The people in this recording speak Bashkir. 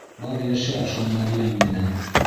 Бар йәшә шул мәрйәң менән!..